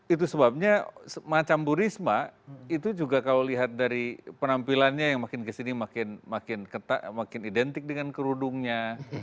itu sebabnya macam bu risma itu juga kalau lihat dari penampilannya yang makin kesini makin identik dengan kerudungnya